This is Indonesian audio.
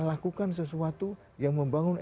lakukan sesuatu yang membangun